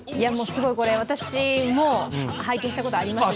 すごいこれ、私も拝見したことがあります。